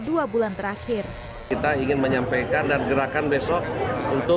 dua bulan terakhir kita ingin menyampaikan dan gerakan besok untuk jumat bersih karena kita ada